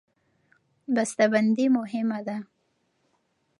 بسته بندي مهمه ده.